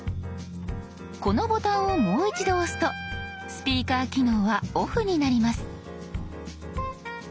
このボタンをもう一度押すとスピーカー機能はオフになります。